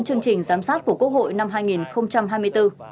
chương trình giám sát của quốc hội năm hai nghìn hai mươi bốn